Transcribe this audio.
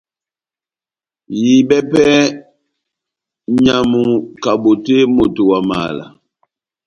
Ihibɛwɛ pɛhɛ nʼnyamu kabotè moto wa mala